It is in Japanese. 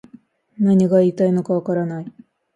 何が言いたいのかわからない